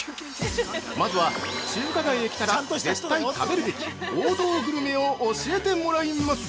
まずは、中華街へ来たら絶対食べるべき王道グルメを教えてもらいます！